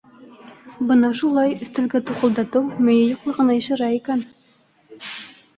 Бына шулай, өҫтәлгә туҡылдатыу мейе юҡлығына ишара икән!